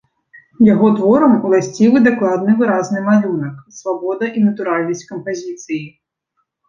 Яго творам уласцівы дакладны выразны малюнак, свабода і натуральнасць кампазіцыі.